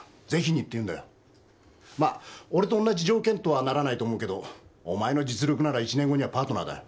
まっ俺と同じ条件とはならないと思うけどお前の実力なら１年後にはパートナーだよ。